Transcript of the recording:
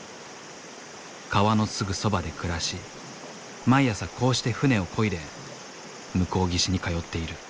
川のすぐそばで暮らし毎朝こうして船をこいで向こう岸に通っている。